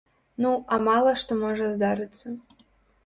Ну, а мала што можа здарыцца.